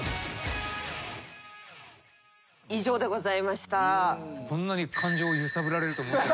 以上でございました。